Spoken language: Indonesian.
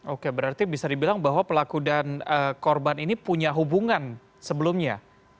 oke berarti bisa dibilang bahwa pelaku dan korban ini punya hubungan sebelumnya